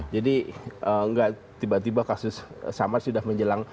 jadi tidak tiba tiba kasus samar sudah menjelang